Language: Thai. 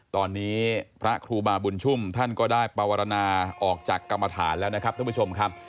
ตอนนี้พระครูบาบุญชุ่มท่านก็ได้ปวรรณาออกจากกรรมฐานแล้วนะครับท่านผู้ชมครับ